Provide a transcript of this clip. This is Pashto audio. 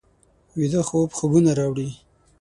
ویده خوب خوبونه راوړي